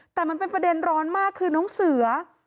แต่มันเป็นประเด็นร้อนมากคือน้องเสือ